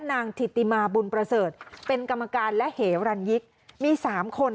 นายศีสุวรรณจัญญาเป็นอุปนายกและเลขาธิการสมาคม